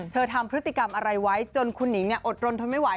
ทำพฤติกรรมอะไรไว้จนคุณหนิงอดรนทนไม่ไห